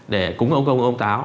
để cúng ông công ông táo